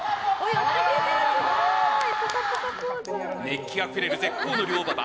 熱気あふれる絶好の良馬場。